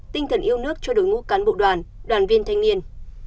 tinh thần yêu nước cho đội ngũ cán bộ đoàn đoàn viên thanh niên